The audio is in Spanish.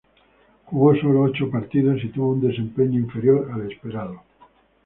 Jugó solo ocho partidos y tuvo un desempeño inferior al esperado.